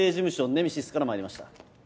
ネメシスからまいりました